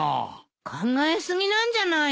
考え過ぎなんじゃないの？